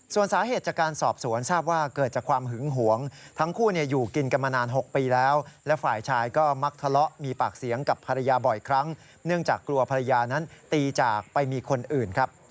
ส่วนสาเหตุจากการสอบสวนทราบว่าเกิดจากความหึงหวงทั้งคู่อยู่กินกันมานาน๖ปีแล้วและฝ่ายชายก็มักทะเลาะมีปากเสียงกับภรรยาบ่อยครั้งเนื่องจากกลัวภรรยานั้นตีจากไปมีคนอื่นครับ